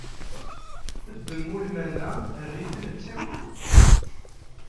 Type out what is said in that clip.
Ddem ulman-a err-iten d takurt!